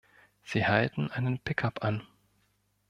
Sie halten einen Pickup an.